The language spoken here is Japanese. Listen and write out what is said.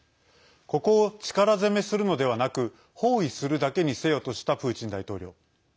ここを力攻めするのではなく包囲するだけにせよとしたプーチン大統領。